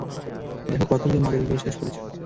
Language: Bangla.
দেখ, কতগুলো মদের বোতল শেষ করেছ!